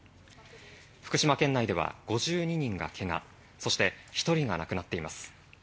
福島県内では５２人がけが、そして１人が亡くなっています。